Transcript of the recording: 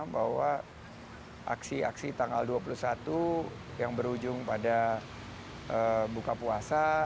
bahwa aksi aksi tanggal dua puluh satu yang berujung pada buka puasa